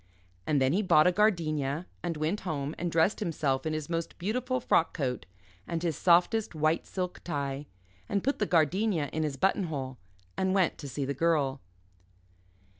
And then he bought a gardenia, and went home and dressed himself in his most beautiful frock coat and his softest white silk tie, and put the gardenia in his button hole and went to see the Girl.